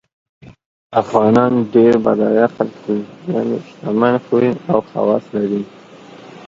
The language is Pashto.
افغانان ډېر بډایه خلګ دي یعنی شتمن خوی او خواص لري